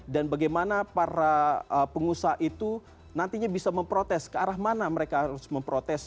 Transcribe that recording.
dan bagaimana para pengusaha itu nantinya bisa memprotes ke arah mana mereka harus memprotes